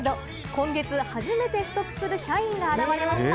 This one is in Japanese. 今月初めて取得する社員が現れました。